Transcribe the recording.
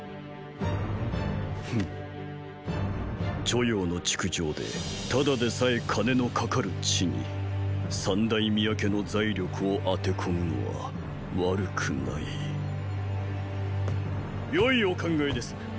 著雍の築城でただでさえ金のかかる地に三大宮家の財力を当て込むのは悪くないよいお考えです。